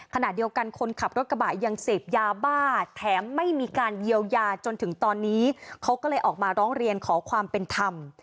ขณะเดียวกันคนขับรถกระบะยังเสพยาบ้าแถมไม่มีการเยียวยาจนถึงตอนนี้เขาก็เลยออกมาร้องเรียนขอความเป็นธรรม